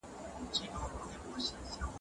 که انلاین زده کړه وي، زده کوونکي بیا بیا درس اوري.